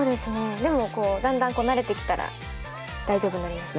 でもこうだんだん慣れてきたら大丈夫になりました。